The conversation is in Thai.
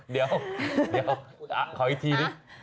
เดี๋ยวขออีกทีนึง